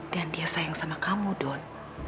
dan dia sayang sama kamu don